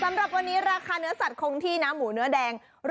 สำหรับวันนี้ราคาเนื้อสัตว์คงที่น้ำหมูเนื้อแดง๑๒๕บาทต่อกกิโลกรัม